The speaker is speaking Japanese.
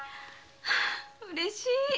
うれしい！